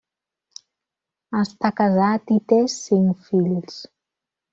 Està casat i té cinc fills.